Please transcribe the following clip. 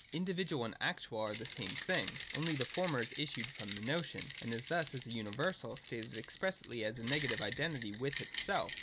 Individual and actual are the same thing : only the former has issued from the notion, and is thus, as a universal, stated expressly as a negative identity with itself.